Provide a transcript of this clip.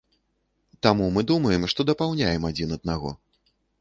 Таму мы думаем, што дапаўняем адзін аднаго.